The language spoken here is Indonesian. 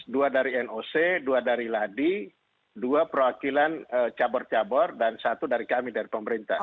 dua dari noc dua dari ladi dua perwakilan cabur cabur dan satu dari kami dari pemerintah